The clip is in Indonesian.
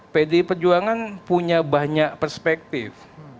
pdi perjuangan punya banyak perspektif